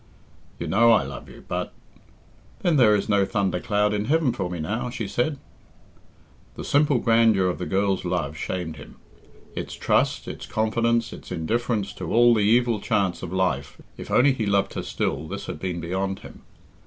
"You know I love you, but " "Then there is no thundercloud in heaven for me now," she said. The simple grandeur of the girl's love shamed him. Its trust, its confidence, its indifference to all the evil chance of life if only he loved her still, this had been beyond him.